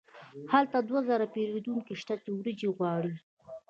هلته دوه زره پیرودونکي شته چې وریجې غواړي.